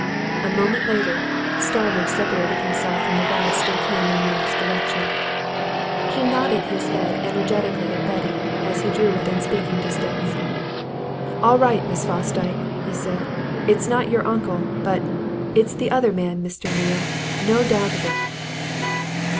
A moment later, Starmidge separated himself from the rest, and came in Neale's direction. He nodded his head energetically at Betty as he drew within speaking distance. "All right, Miss Fosdyke!" he said. "It's not your uncle. But it's the other man, Mr. Neale! no doubt of it!"